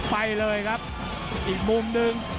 ไปเลยครับอีกมุมหนึ่ง